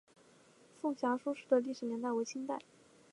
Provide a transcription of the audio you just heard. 颂遐书室的历史年代为清代。